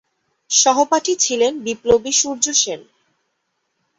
সহপাঠী ছিলেন বিপ্লবী সূর্য সেন।